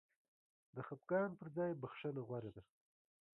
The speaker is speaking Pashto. د خفګان پر ځای بخښنه غوره ده.